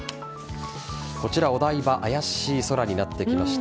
こちら、お台場あやしい空になってきました。